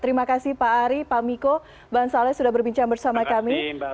terima kasih pak ari pak miko bang saleh sudah berbincang bersama kami di cnn indonesia newscast